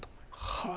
はあ。